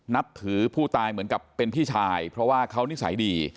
นับถือผู้ตายเหมือนกับเป็นพี่ชายเพราะว่าเขานิสัยดี